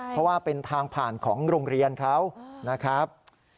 เพราะว่าเป็นทางผ่านของโรงเรียนเขานะครับ